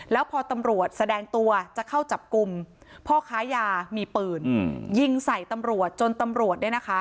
แล้วพอตำรวจแสดงตัวจะเข้าจับกลุ่มพ่อค้ายามีปืนยิงใส่ตำรวจจนตำรวจเนี่ยนะคะ